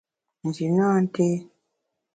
Nji nâ nté.